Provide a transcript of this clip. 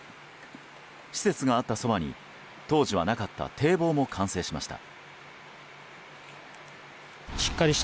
施設があったそばに当時はなかった堤防も完成しました。